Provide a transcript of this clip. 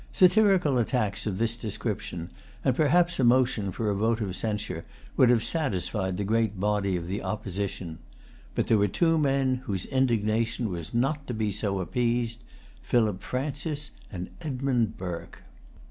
Satirical attacks of this description, and perhaps a motion for a vote of censure, would have satisfied the great body of the Opposition. But there were two men whose indignation was not to be so appeased, Philip Francis and Edmund Burke.